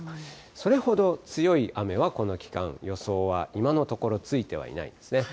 それほど強い雨は、この期間、予想は、今のところついてはいないですね。